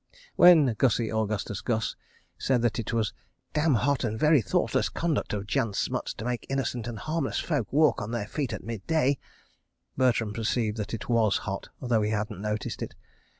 When Gussie Augustus Gus said it was dam' hot and very thoughtless conduct of Jan Smuts to make innocent and harmless folk walk on their feet at midday, Bertram perceived that it was hot, though he hadn't noticed it.